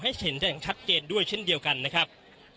ให้เห็นขั้นชัดเจนด้วยเช่นเดียวกันนะครับ